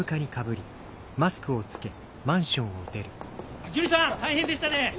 あっジュニさん大変でしたね。